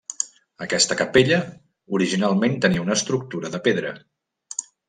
Aquesta capella originalment tenia una estructura de pedra.